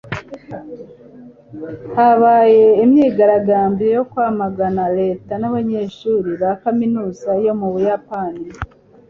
habaye imyigaragambyo yo kwamagana leta n'abanyeshuri ba kaminuza yo mu Buyapani.